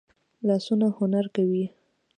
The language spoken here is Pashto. لاسونه هنر کوي